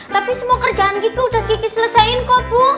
tapi semua kerjaan gigi udah gigi selesain kok bu